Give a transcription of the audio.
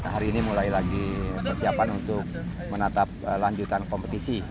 hari ini mulai lagi persiapan untuk menatap lanjutan kompetisi